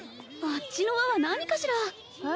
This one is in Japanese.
あっちの輪は何かしら？